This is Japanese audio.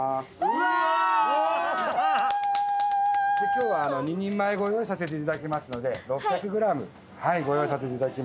今日は２人前ご用意させていただきますので６００ｇご用意させていただきます。